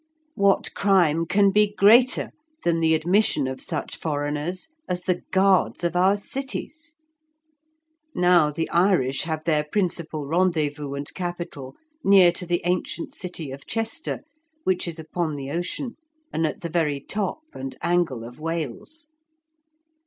What crime can be greater than the admission of such foreigners as the guards of our cities? Now the Irish have their principal rendezvous and capital near to the ancient city of Chester, which is upon the ocean, and at the very top and angle of Wales.